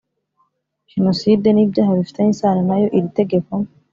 Jenoside n ibyaha bifitanye isano na yo iri tegeko